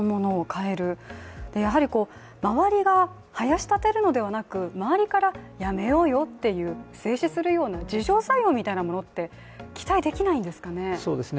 やはり周りがはやし立てるのではなく、周りからやめようよと、制止するような、自浄作用みたいなものって期待できないんですかね？